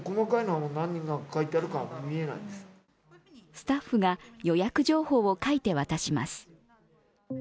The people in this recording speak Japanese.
スタッフが予約情報を書いて渡します。